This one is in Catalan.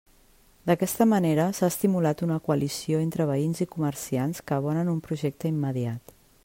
D'aquesta manera, s'ha estimulat una coalició entre veïns i comerciants que abonen un projecte immediat.